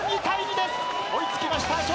追い付きました笑